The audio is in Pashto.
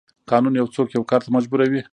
قانون یو څوک یو کار ته مجبوروي.